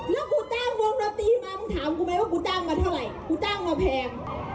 แล้วกูจ้างวงดนตรีมามึงถามกูไหมว่ากูจ้างมาเท่าไหร่กูจ้างเราแพง